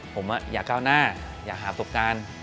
ผมอยากก้าวหน้าอยากหาประสบการณ์